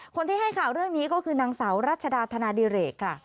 คนที่ให้ข่าวเรื่องนี้ก็คือนางสาวรัชดาธนาดิเรกค่ะ